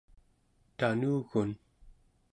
tanugun